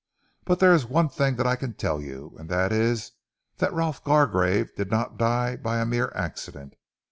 But there is one thing that I can tell you, and that is that Rolf Gargrave did not die by a mere accident.